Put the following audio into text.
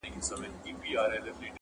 کيسه د ذهن برخه ګرځي تل,